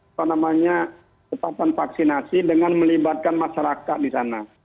apa namanya tetapan vaksinasi dengan melibatkan masyarakat di sana